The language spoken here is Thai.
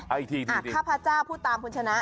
อ้าวอีกทีข้าพเจ้าผู้ตามคุณชนะ